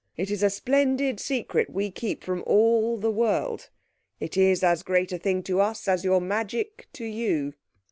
It is a splendid secret we keep from all the world. It is as great a thing to us as your magic to you."